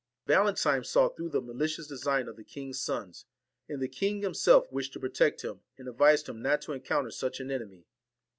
Valentine saw through the malicious design of the king's sons ; and the king himself wished to protect him, and advised him not to encounter such an enemy.